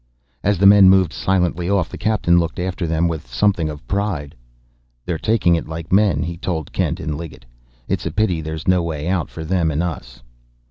As the men moved silently off, the captain looked after them with something of pride. "They're taking it like men," he told Kent and Liggett. "It's a pity there's no way out for them and us."